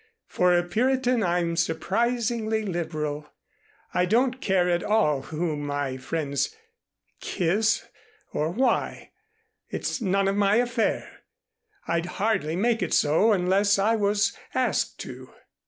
For a Puritan I'm surprisingly liberal. I don't care at all whom my friends kiss or why. It's none of my affair. I'd hardly make it so unless I was asked to."